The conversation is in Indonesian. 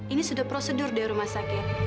ini sudah prosedur di rumah sakit